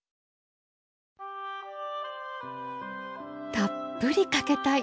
たっぷりかけたい！